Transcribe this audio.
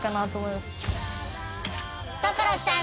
所さん